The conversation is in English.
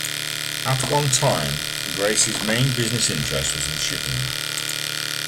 At one time, Grace's main business interest was in shipping.